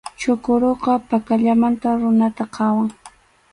Chukuruqa pakallamanta runata qhawan.